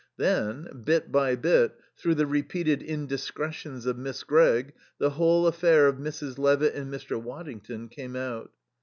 Then, bit by bit, through the repeated indiscretions of Miss Gregg, the whole affair of Mrs. Levitt and Mr. Waddington came out.